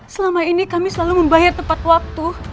selama ini kami selalu membayar tepat waktu